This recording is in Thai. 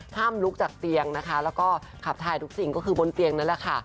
ลุกจากเตียงนะคะแล้วก็ขับถ่ายทุกสิ่งก็คือบนเตียงนั่นแหละค่ะ